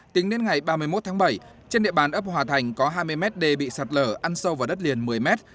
tính đến ngày ba mươi một tháng bảy trên địa bàn ấp hòa thành có hai mươi mét đê bị sạt lở ăn sâu vào đất liền một mươi mét